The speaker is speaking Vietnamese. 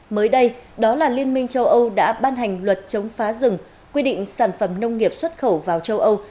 mới đây đó là liên minh châu âu đã ban hành luật chống phá rừng quy định sản phẩm nông nghiệp xuất khẩu vào châu âu